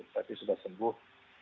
tapi sudah sembuh